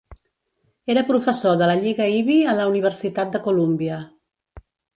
Era professor de la Lliga Ivy a la universitat de Columbia.